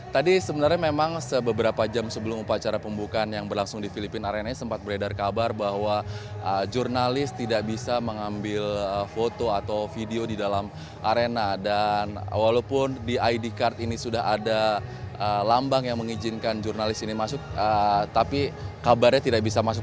tadi sebenarnya memang sebeberapa jam sebelum upacara pembukaan yang berlangsung di filipina arena sempat beredar kabar bahwa jurnalis tidak bisa mengambil foto atau video di dalam arena dan walaupun di id card ini sudah ada lambang yang mengizinkan jurnalis ini masuk tapi kabarnya tidak bisa masuk